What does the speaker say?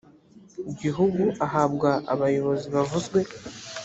gihugu ahabwa abayobozi bavuzwe